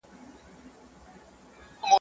له بارانه ولاړی، ناوې ته کښېنستی.